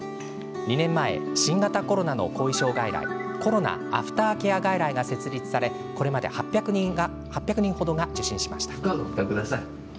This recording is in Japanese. ２年前、新型コロナの後遺症外来コロナアフターケア外来が設立され、これまで８００人程が受診しました。